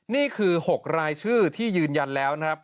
นี่คือ๖รายชื่อที่ยืนยันแล้วนะครับ